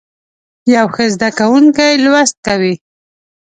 یو ښه زده کوونکی لوست کوي.